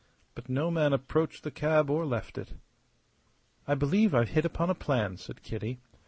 But no man approached the cab or left it. "I believe I've hit upon a plan," said Kitty.